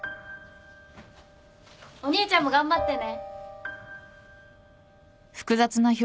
お兄ちゃんも頑張ってね。